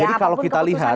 jadi kalau kita lihat